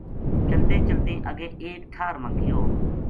چلتیں چلتیں اگے ایک ٹھار ما گیو